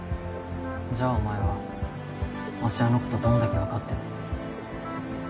じゃあお前は芦屋のことどんだけ分かってんの？